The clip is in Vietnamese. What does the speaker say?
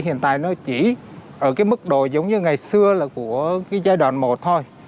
hiện tại nó chỉ ở mức độ giống như ngày xưa là của giai đoạn một thôi